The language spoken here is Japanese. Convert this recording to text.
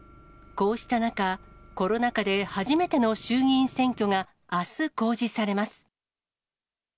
こうした中、コロナ禍で初めての衆議院選挙が、あす公示されます。